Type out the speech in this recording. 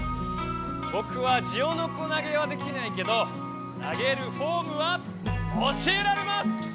ぼくはジオノコなげはできないけどなげるフォームは教えられます！